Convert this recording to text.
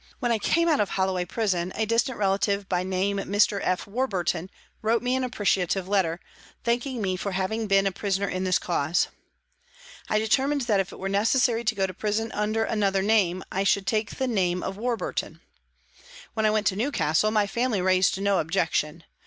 When I came out of Holloway Prison, a distant relative, by name Mr. F. Warburton, wrote me an appreciative letter, thanking me for having been a prisoner in this cause. I determined that if it were necessary to go to prison under another name, I should take the name of Warburton. When I went to Newcastle, my family raised no objection.